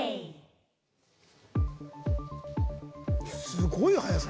すごい速さ。